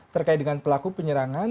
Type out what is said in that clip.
terkait dengan pelaku penyerangan